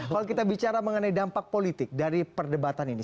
kalau kita bicara mengenai dampak politik dari perdebatan ini